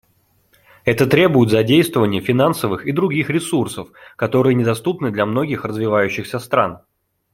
Это требует задействования финансовых и других ресурсов, которые недоступны для многих развивающихся стран.